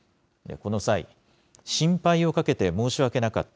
この際、心配をかけて申し訳なかった。